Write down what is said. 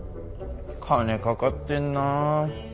金かかってんな。